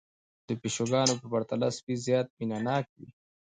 د پيشوګانو په پرتله سپي زيات مينه ناک وي